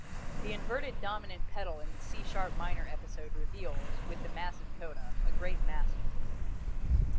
The inverted dominant pedal in the C sharp minor episode reveals, with the massive coda, a great master.